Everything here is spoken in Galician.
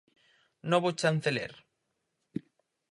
Novo chanceler.